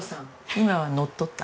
今は乗っ取った。